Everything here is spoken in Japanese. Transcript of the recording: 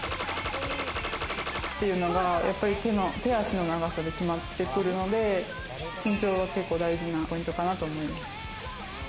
っていうのが、手足の長さで決まってくるので、身長は結構大事なポイントかなと思います。